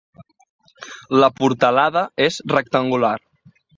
La portalada és rectangular.